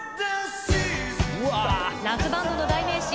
夏バンドの代名詞